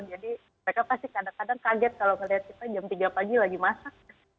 jadi mereka pasti kadang kadang kaget kalau melihat kita jam tiga pagi lagi masak